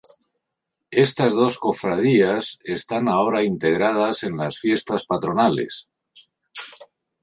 Estas dos cofradías están ahora integradas en las fiestas patronales.